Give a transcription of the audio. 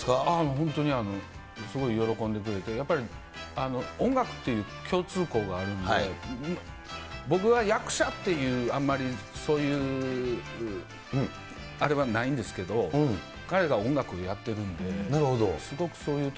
本当に、すごい喜んでくれて、やっぱり音楽って共通項があるんで、僕は役者っていう、あんまりそういうあれはないんですけど、なるほど。